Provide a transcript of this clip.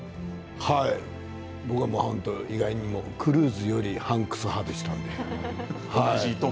はい、僕は意外とクルーズよりハンクス派でしたね。